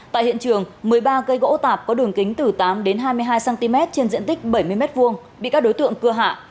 tại hiện trường một mươi ba cây gỗ tạp có đường kính từ tám đến hai mươi hai cm trên diện tích bảy mươi m hai bị các đối tượng cưa hạ